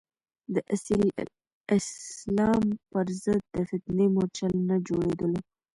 د اصیل اسلام پر ضد د فتنې مورچل نه جوړېدلو.